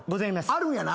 あるんやな？